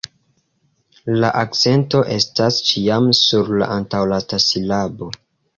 La akcento estas ĉiam sur la antaŭlasta silabo.